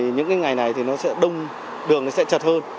những ngày này thì đường sẽ chật hơn